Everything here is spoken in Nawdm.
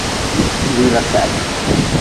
Diila sahbe.